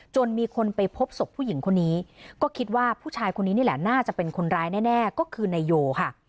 มีคนไปพบศพผู้หญิงคนนี้ก็คิดว่าผู้ชายคนนี้นี่แหละน่าจะเป็นคนร้ายแน่ก็คือนายโยค่ะ